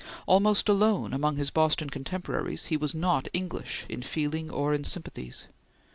Almost alone among his Boston contemporaries, he was not English in feeling or in sympathies.